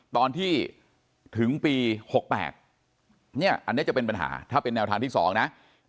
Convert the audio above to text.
ตอนที่ถึงปี๖๘เนี่ยอันนี้จะเป็นปัญหาถ้าเป็นแนวทางที่๒นะ